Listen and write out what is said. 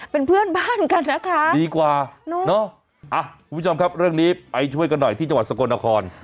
เป็นเพื่อนบ้านกันนะคะดีกว่าเนอะคุณผู้ชมครับเรื่องนี้ไปช่วยกันหน่อยที่จังหวัดสกลนคร